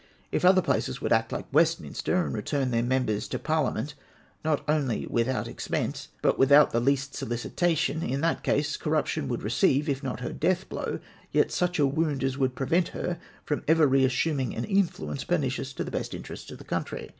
If other places Avould act like "Westminster, and return their members to Parliament not only without expense, but without the least solicitation, in that case Corruption would receive, if not her death blow, yet such a wound as would prevent her from ever re assuming an influence per nicious to the best interests of the country.